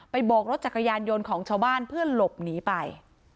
โบกรถจักรยานยนต์ของชาวบ้านเพื่อหลบหนีไป